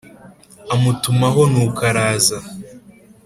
- amutumaho nuko araza.